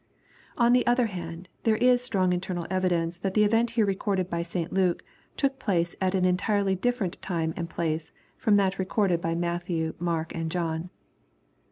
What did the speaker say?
On the other hand, there is strong internal evidence that the event here recorded by St Luke, took place at an entirely different time and place from that recorded by Matthew, Marl^ and John.